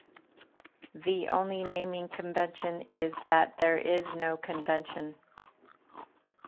The only naming convention is that there is no convention.